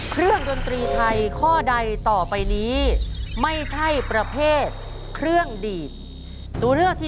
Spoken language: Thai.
เครื่องดนตรีไทยข้อใดต่อไปนี้ไม่ใช่ประเภทเครื่องดีต